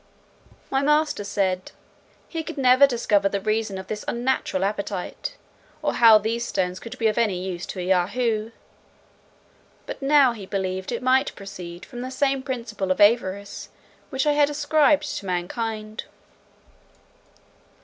My master said, "he could never discover the reason of this unnatural appetite, or how these stones could be of any use to a Yahoo; but now he believed it might proceed from the same principle of avarice which I had ascribed to mankind.